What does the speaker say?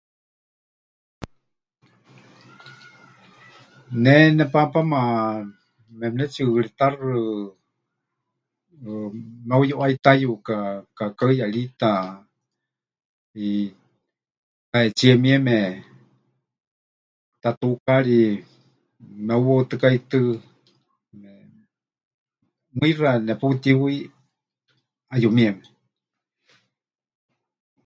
Ne nepaapáma mepɨnetsiʼɨhɨritaxɨ meuyuʼaitayuka kaakaɨyarita, eh, tahetsíe mieme tatuukari meheuwautɨkaitɨ́, mɨixa neputíhui 'ayumieme.